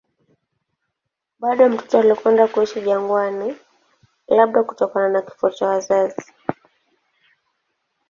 Bado mtoto alikwenda kuishi jangwani, labda kutokana na kifo cha wazazi.